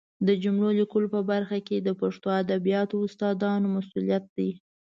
د جملو لیکلو په برخه کې د پښتو ادبیاتو استادانو مسؤلیت دی